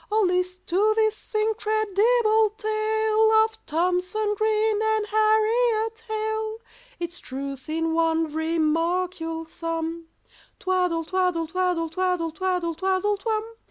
Oh, list to this incredible tale Of THOMSON GREEN and HARRIET HALE, Its truth in one remark you'll sum— "Twaddle twaddle twaddle twaddle twaddle twaddle twum!"